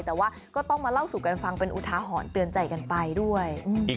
แต่ว่าก็ต้องมาเล่าสู่กันฟังเป็นอุทาหรณ์เตือนใจกันไปด้วย